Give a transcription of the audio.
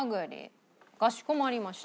かしこまりました。